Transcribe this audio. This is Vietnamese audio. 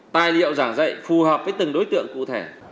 tài liệu giảng dạy phù hợp với từng đối tượng cụ thể